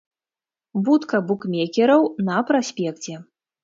Будка букмекераў на праспекце.